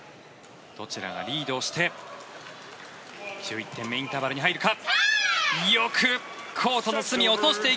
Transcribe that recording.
どちらがリードして１１点目インターバルに入るか。